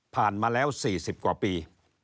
ผ่านมาแล้ว๔๐กว่าปี